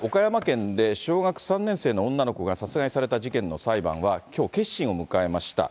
１７年前、岡山県で小学３年生の女の子が殺害された事件の裁判はきょう、結審を迎えました。